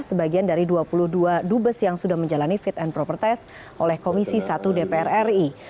sebagian dari dua puluh dua dubes yang sudah menjalani fit and proper test oleh komisi satu dpr ri